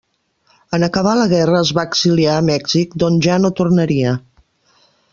En acabar la guerra es va exiliar a Mèxic, d'on ja no tornaria.